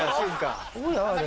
あれ。